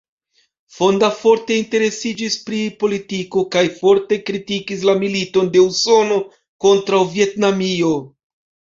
Fonda forte interesiĝis pri politiko kaj forte kritikis la militon de Usono kontraŭ Vjetnamio.